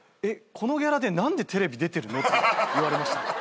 このギャラで何でテレビ出てるの？」って言われました。